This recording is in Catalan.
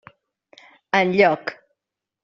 Enlloc.